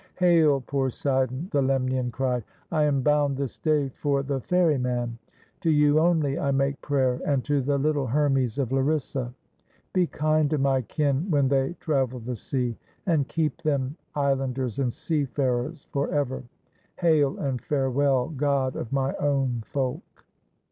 "Hail, Poseidon!" the Lemnian cried. "I am bound this day for the Ferry man. To you only I make prayer, and to the little Hermes of Larissa. Be kind to my kin when they travel the sea, and keep them islanders and seafarers forever. Hail, and farewell, God of my own folk!"